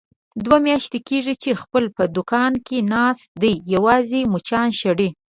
دوه میاشتې کېږي، چې علي په دوکان کې ناست دی یوازې مچان شړي.